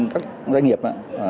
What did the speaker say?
các doanh nghiệp